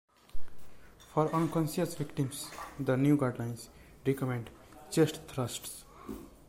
For unconscious victims, the new guidelines recommend chest thrusts.